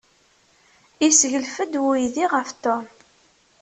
Yesseglef-d uydi ɣef Tom.